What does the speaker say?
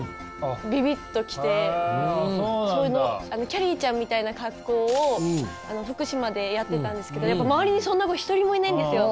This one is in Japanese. きゃりーちゃんみたいな格好を福島でやってたんですけどやっぱ周りにそんな子一人もいないんですよ。